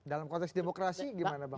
dalam konteks demokrasi gimana bang